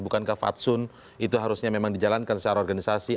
bukankah fatsun itu harusnya memang dijalankan secara organisasi